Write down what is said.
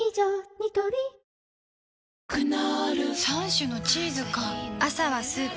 ニトリクノール３種のチーズか朝はスープ